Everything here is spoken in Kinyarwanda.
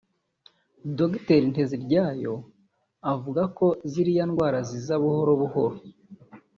Dr Nteziryayo avuga ko ziriya ndwara ziza buhoro buhoro